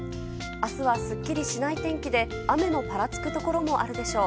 明日は、すっきりしない天気で雨のぱらつくところもあるでしょう。